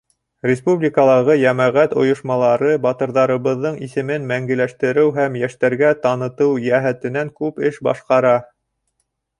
Республикалағы йәмәғәт ойошмалары батырҙарыбыҙҙың исемен мәңгеләштереү һәм йәштәргә танытыу йәһәтенән күп эш башҡара.